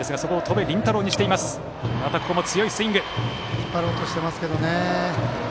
引っ張ろうとしていますね。